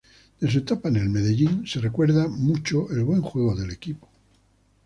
De su etapa en el Medellín, se recuerda mucho el buen juego del equipo.